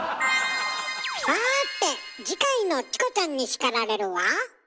さて次回の「チコちゃんに叱られる」は？